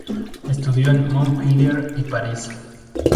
Estudió en Montpellier y París.